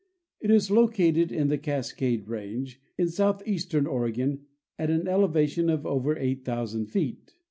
It is located in the Cascade range, in southeastern Oregon, at an eleva tion of over 8,000 feet.